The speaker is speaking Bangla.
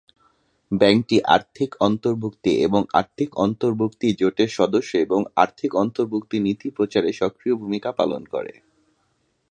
ব্যাংকটি আর্থিক অন্তর্ভুক্তি এবং আর্থিক অন্তর্ভুক্তির জোটের সদস্য এবং এটি আর্থিক অন্তর্ভুক্তি নীতি প্রচারে সক্রিয় ভূমিকা পালন করে।